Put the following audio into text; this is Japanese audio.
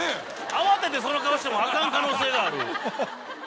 慌ててその顔してもアカン可能性がある。